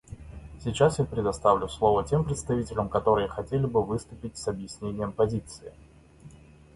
Сейчас я предоставлю слово тем представителям, которые хотели бы выступить с объяснением позиции.